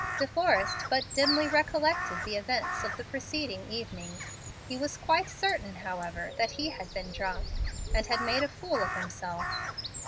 De Forrest but dimly recollected the events of the preceding evening. He was quite certain, however, that he had been drunk, and had made a fool of himself.